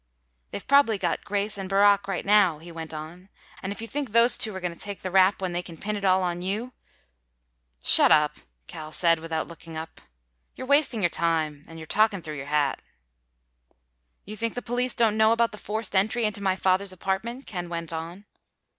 "They've probably got Grace and Barrack right now," he went on. "And if you think those two are going to take the rap when they can pin it all on you—" "Shut up!" Cal said, without looking up. "You're wasting your time. And you're talking through your hat." "You think the police don't know about the forced entry into my father's apartment?" Ken went on.